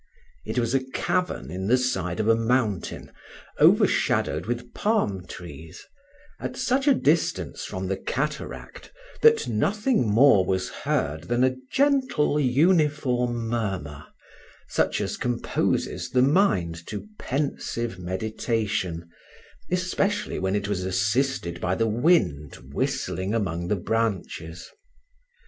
It was a cavern in the side of a mountain, overshadowed with palm trees, at such a distance from the cataract that nothing more was heard than a gentle uniform murmur, such as composes the mind to pensive meditation, especially when it was assisted by the wind whistling among the branches.